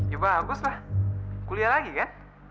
ya bagus lah kuliah lagi kan